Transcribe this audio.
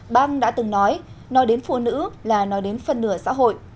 bang đã từng nói nói đến phụ nữ là nói đến phần nửa xã hội